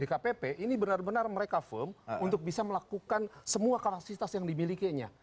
di kpp ini benar benar mereka firm untuk bisa melakukan semua kapasitas yang dimilikinya